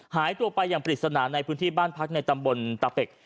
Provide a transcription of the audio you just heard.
หายตัวไปอย่างปริศนาในพื้นที่บ้านพักในตำบลตาเป็ก